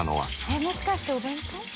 えっもしかしてお弁当？